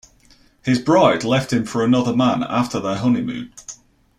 His bride left him for another man after their honeymoon.